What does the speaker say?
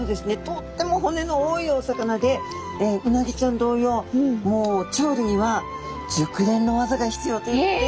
とっても骨の多いお魚でウナギちゃん同様もう調理には熟練のわざが必要ということで。